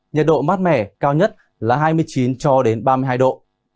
nhiệt độ mát mẻ cao nhất là hai mươi chín cho đến ba mươi hai độ